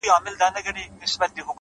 ساده توب فکر له اضافي بار پاکوي’